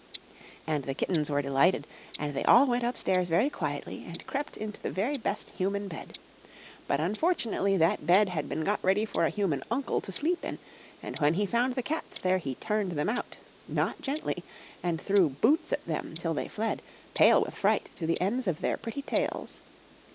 "And the kittens were delighted, and they all went upstairs very quietly, and crept into the very best human bed. But unfortunately that bed had been got ready for a human uncle to sleep in; and when he found the cats there he turned them out, not gently, and threw boots at them till they fled, pale with fright to the ends of their pretty tails.